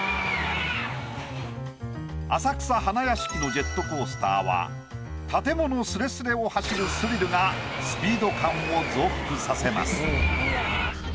浅草花やしきのジェットコースターは建物スレスレを走るスリルがスピード感を増幅させます。